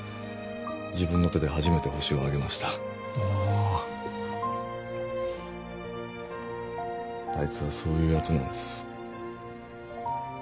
自分の手で初めてホシを挙げましたおおーあいつはそういうやつなんです